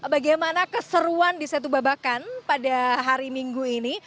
bagaimana keseruan di setu babakan pada hari minggu ini